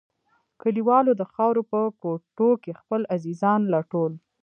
کليوالو د خاورو په کوټو کښې خپل عزيزان لټول.